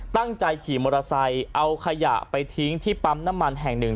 ตั้งใจขี่มอเตอร์ไซค์เอาขยะไปทิ้งที่ปั๊มน้ำมันแห่งหนึ่ง